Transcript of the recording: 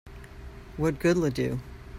What good'll it do?